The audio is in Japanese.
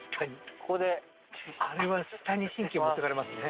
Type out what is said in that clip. ここであれは下に神経持っていかれますね